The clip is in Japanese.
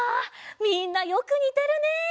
みんなよくにてるね。